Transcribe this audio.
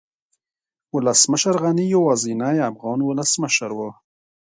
ولسمشر غني يوازينی افغان ولسمشر و